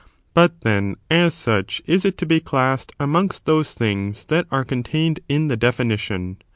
But then, as such, is it to be classed amongst those things that are con tained in the definition.